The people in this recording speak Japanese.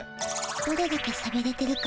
どれだけさびれてるか